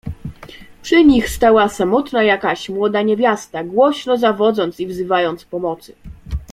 "Przy nich stała samotna jakaś młoda niewiasta, głośno zawodząc i wzywając pomocy."